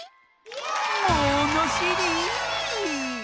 ものしり！